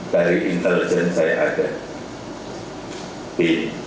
dari intelijen saya ada bin